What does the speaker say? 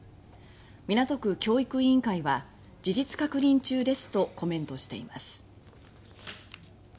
港区教育委員会は「事実確認中です」とコメントしています。